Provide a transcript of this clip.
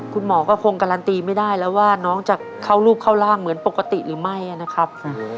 คุณหมอก็คงการันตีไม่ได้แล้วว่าน้องจะเข้ารูปเข้าร่างเหมือนปกติหรือไม่นะครับ